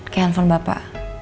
ke handphone bapak